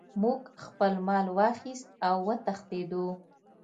موږ خپل مال واخیست او وتښتیدو.